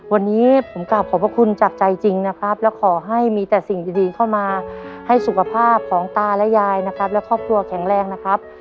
วันนี้ผมกลับขอบพระคุณจากใจจริงนะครับและขอให้มีแต่สิ่งดีเข้ามาให้สุขภาพของตาและยายนะครับและครอบครัวแข็งแรงนะครับ